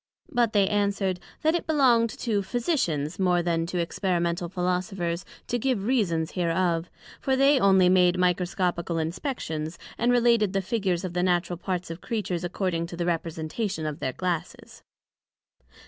But they answered, That it belonged to Physicians more then to Experimental Philosophers, to give Reasons hereof; for they only made Microscopical inspections, and related the Figures of the Natural parts of Creatures acording to the representation of their glasses.